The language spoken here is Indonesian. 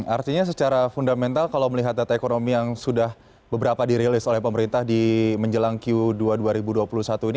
artinya secara fundamental kalau melihat data ekonomi yang sudah beberapa dirilis oleh pemerintah di menjelang q dua dua ribu dua puluh satu ini